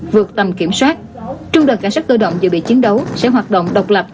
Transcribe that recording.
vượt tầm kiểm soát trung đoàn cảnh sát cơ động dự bị chiến đấu sẽ hoạt động độc lập